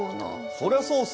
そりゃそうさ。